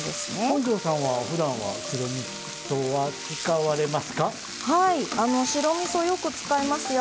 本上さんはふだんは白みそは使われますか？